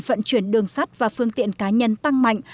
vận chuyển đường sắt và phương tiện cá nhân tăng mạnh